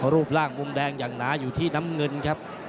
รูปร่างมุมแดงอย่างหนาอยู่ที่น้ำเงินครับ